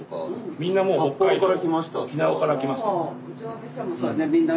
みんなもう北海道沖縄から来ましたとか。